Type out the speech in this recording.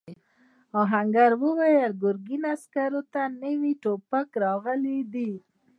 آهنګر وویل ګرګین عسکرو ته نوي ټوپک راغلی دی.